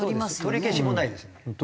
取消もないです。